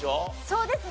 そうです。